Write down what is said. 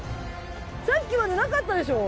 さっきまでなかったでしょ？